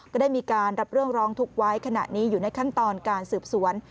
ก็ได้มีการรับเรื่องร้องทุกข์ไว้ขณะนี้อยู่ในขั้นตอนการสืบสวน